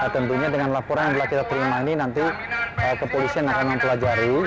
tentunya dengan laporan yang telah kita terima ini nanti kepolisian akan mempelajari